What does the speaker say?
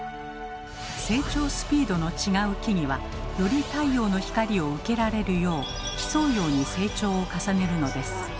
成長スピードの違う木々はより太陽の光を受けられるよう競うように成長を重ねるのです。